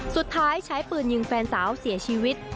สุดท้ายใช้ปืนยิงแฟนสาวเสียชีวิต